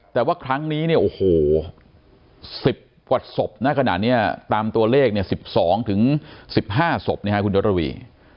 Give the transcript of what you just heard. แต่ว่าครั้งนี้เนี่ยโอ้โห๑๐กว่าศพนะขนาดนี้ตามตัวเลขเนี่ย๑๒๑๕ศพนะครับคุณยศระวี